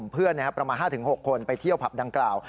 ประชาชนกว่าแรงกว่านี้ไหม